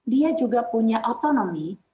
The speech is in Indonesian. dia juga punya autonomi